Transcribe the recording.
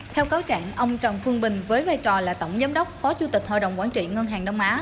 theo cáo trạng ông trần phương bình với vai trò là tổng giám đốc phó chủ tịch hội đồng quản trị ngân hàng đông á